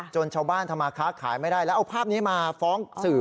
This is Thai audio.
ชาวบ้านทำมาค้าขายไม่ได้แล้วเอาภาพนี้มาฟ้องสื่อ